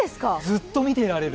ずっと見ていられる。